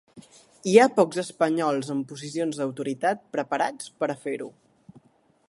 Hi ha pocs espanyols en posicions d’autoritat preparats per a fer-ho.